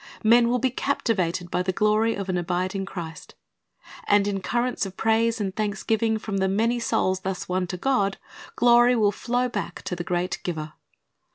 Men will be captivated by the glory of an abiding Christ. And in currents of praise and thanksgiving from the many souls thus won to God, glory will flow back to the great Giver.